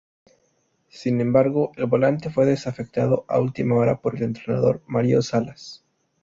Sin embargo, el volante fue desafectado a última hora por el entrenador, Mario Salas.